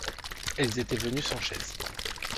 Elles étaient venues sans chaise.